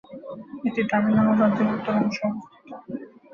এটি তামিলনাড়ু রাজ্যের উত্তর অংশে অবস্থিত।